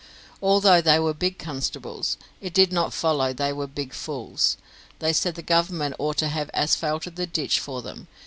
Although they were big constables, it did not follow they were big fools. They said the Government ought to have asphalted the ditch for them.